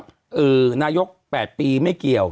ประโยค๘ปีไม่เกี่ยว